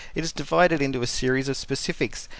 It is divided into a series of specifics.